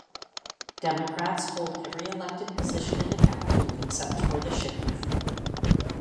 Democrats hold every elected position in the county except for the sheriff.